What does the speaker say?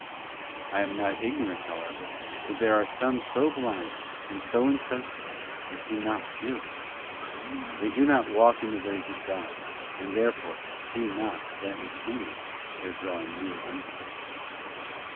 I am not ignorant, however, that there are some so blind and so insensible as not to*feel this: they do not walk in the ways of God, and therefore see not that which hinders their drawing near unto Him.